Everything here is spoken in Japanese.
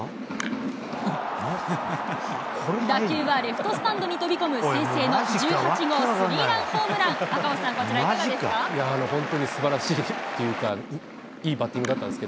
打球はレフトスタンドに飛び込む先制の１８号スリーラン。